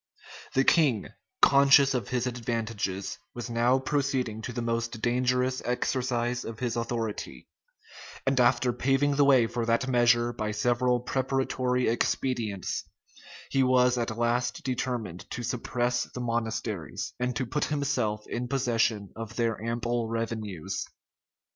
The king, conscious of his advantages, was now proceeding to the most dangerous exercise of his authority; and after paving the way for that measure by several preparatory expedients, he was at last determined to suppress the monasteries, and to put himself in possession of their ample revenues.